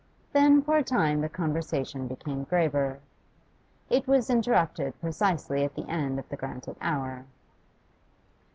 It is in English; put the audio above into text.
Then for a time the conversation became graver. It was interrupted precisely at the end of the granted hour.